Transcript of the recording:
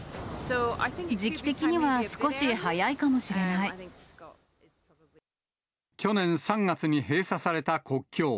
時期的には少し早いかもしれ去年３月に閉鎖された国境。